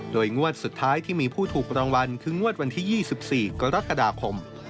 โดยงวดสุดท้ายที่มีผู้ถูกรางวัลคืองวดวันที่๒๔กรกฎาคม